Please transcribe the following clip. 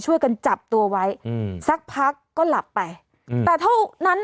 ช่วยกันจับตัวไว้อืมสักพักก็หลับไปอืมแต่เท่านั้น